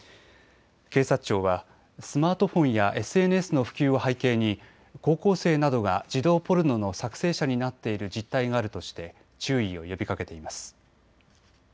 警察庁はスマートフォンやＳＮＳの普及を背景に高校生などが児童ポルノの作成者になっている実態があるとして注意を呼びかけています。